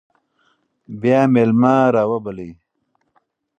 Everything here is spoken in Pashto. بیا میلمه راوبلئ.